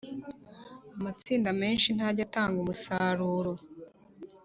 amatsinda menshi ntajya atanga umusaruro